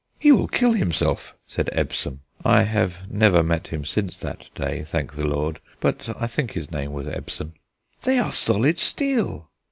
"He will kill himself," said Ebbson I have never met him since that day, thank the Lord; but I think his name was Ebbson "they are solid steel."